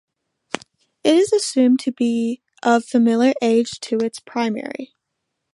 It is assumed to be of similar age to its primary.